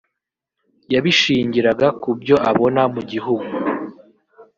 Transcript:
yabishingiraga ku byo abona mu gihugu